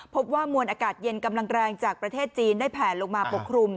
พบว่ามวลอากาศเย็นกำลังแรงจากประเทศจีนได้แผลลงมาปกคลุม